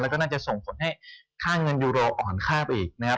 แล้วก็น่าจะส่งผลให้ค่าเงินยูโรอ่อนค่าไปอีกนะครับ